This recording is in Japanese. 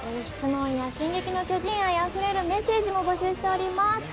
質問や「進撃の巨人」愛あふれるメッセージも募集しております。